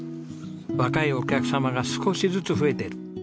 若いお客様が少しずつ増えている。